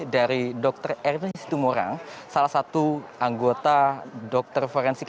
dari dr erwin situ morang salah satu anggota dokter forensik